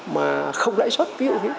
mà không lãi suất ví dụ như thế